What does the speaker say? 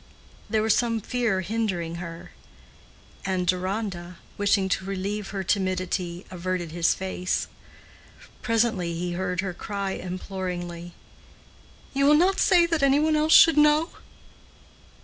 There was some fear hindering her, and Deronda, wishing to relieve her timidity, averted his face. Presently he heard her cry imploringly, "You will not say that any one else should know?"